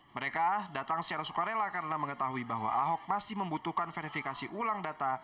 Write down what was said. mereka datang secara sukarela karena mengetahui bahwa ahok masih membutuhkan verifikasi ulang data